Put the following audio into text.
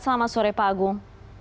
selamat sore pak agung